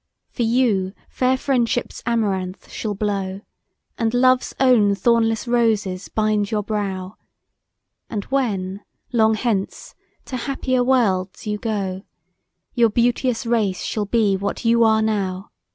For you fair Friendship's amaranth shall blow, And love's own thornless roses bind your brow; And when long hence to happier worlds you go, Your beauteous race shall be what you are now!